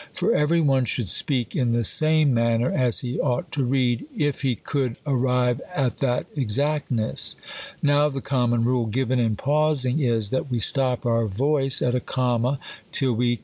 For every one should speak in the same manner as he ought to read, if he could ar rive at that exactness. Now the common rule given in pausing is, that we stop our voice at a comma till we B 2 can 18 THE COLUAiBlAN ORATOR.